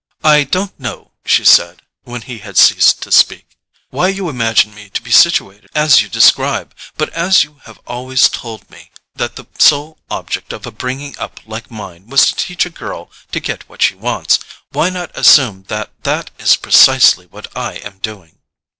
"I don't know," she said, when he had ceased to speak, "why you imagine me to be situated as you describe; but as you have always told me that the sole object of a bringing up like mine was to teach a girl to get what she wants, why not assume that that is precisely what I am doing?"